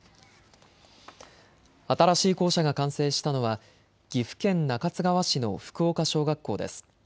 新しい校舎が完成したのは岐阜県中津川市の福岡小学校です。